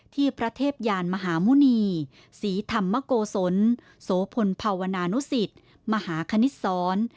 ที่พระเทพยานมหาหมุณีศรีธรรมโกศลโสพลภาวนานุสิตมหาคณิตศร